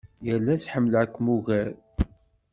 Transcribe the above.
Yal ass ḥemmleɣ-kem ugar.